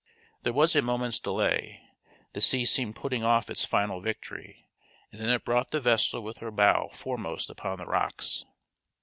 There was a moment's delay, the sea seemed putting off its final victory, and then it brought the vessel with her bow foremost upon the rocks.